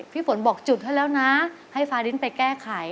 พี่ฝนบอกจุดให้แล้วนะให้ฟารินไปแก้ไข